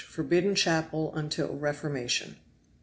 forbidden chapel until reformation.